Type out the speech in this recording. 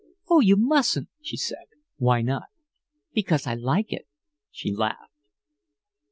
"Oh, you mustn't," she said. "Why not?" "Because I like it," she laughed.